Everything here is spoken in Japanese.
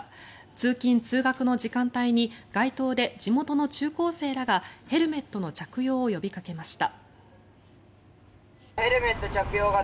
通勤・通学の時間帯に街頭で地元の中高生らがヘルメットの着用を呼びかけました。